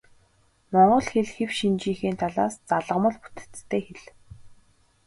Монгол хэл хэв шинжийнхээ талаас залгамал бүтэцтэй хэл.